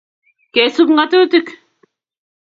kesup ngatutik